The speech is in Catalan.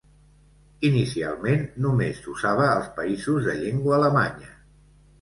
Inicialment només s'usava als països de llengua alemanya.